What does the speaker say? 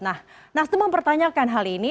nah nasdem mempertanyakan hal ini